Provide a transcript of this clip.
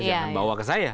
jangan bawa ke saya